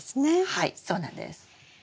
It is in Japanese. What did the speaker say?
はいそうなんです。